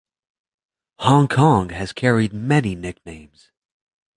Hong Kong has carried many nicknames.